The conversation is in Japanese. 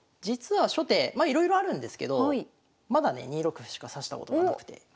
実は初手まあいろいろあるんですけどまだね２六歩しか指したことがなくて。